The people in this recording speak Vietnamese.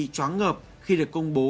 chóng ngợp khi được công bố